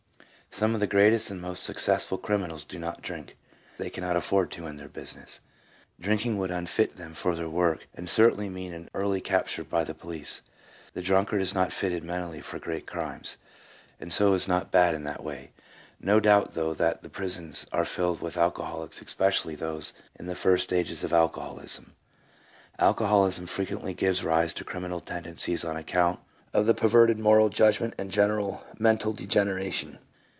Some of the greatest and most successful criminals do not drink; they cannot afford to in their business. Drinking would unfit them for their work and cer tainly mean an early capture by the police. The drunkard is not fitted mentally for great crimes, and so is not bad in that way. No doubt, though, that the prisons are filled with alcoholics, especially those in the first stages of alcoholism. Alcoholism frequently gives rise to criminal tendencies on account of the perverted moral judgment and general mental degeneration.